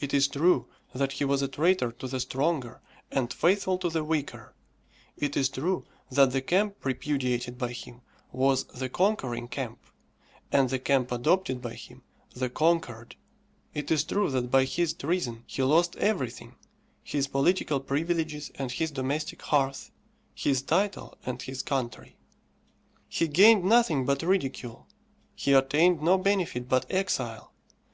It is true that he was a traitor to the stronger, and faithful to the weaker; it is true that the camp repudiated by him was the conquering camp, and the camp adopted by him, the conquered; it is true that by his treason he lost everything his political privileges and his domestic hearth, his title and his country. He gained nothing but ridicule, he attained no benefit but exile.